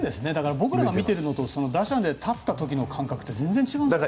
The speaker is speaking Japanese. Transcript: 僕らが見ているのと打者の感覚って全然違うんだね。